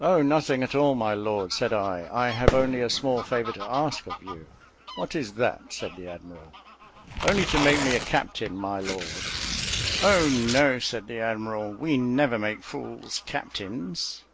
"Oh, nothing at all, my lord," said I, "I have only a small favour to ask of you." "What is that?" said the admiral. "Only to make me a captain, my lord." "Oh, no," said the admiral, "we never make fools captains."